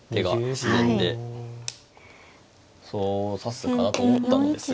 そう指すかなと思ったのですが。